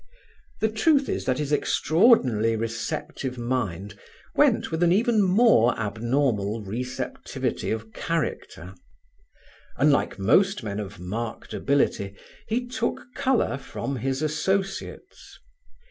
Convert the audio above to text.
The truth is that his extraordinarily receptive mind went with an even more abnormal receptivity of character: unlike most men of marked ability, he took colour from his associates.